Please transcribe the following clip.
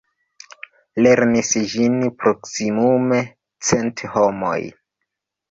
Lernis ĝin proksimume cent homoj.